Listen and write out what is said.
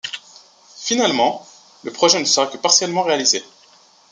Finalement, le projet ne sera que partiellement réalisé.